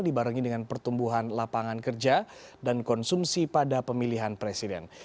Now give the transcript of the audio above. dibarengi dengan pertumbuhan lapangan kerja dan konsumsi pada pemilihan presiden